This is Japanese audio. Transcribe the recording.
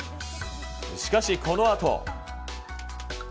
しかし、このあと。